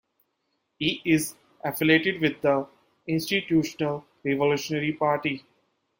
He is affiliated with the Institutional Revolutionary Party.